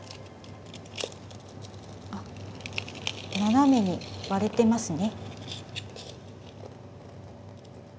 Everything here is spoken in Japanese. あっ斜めに割れてますね。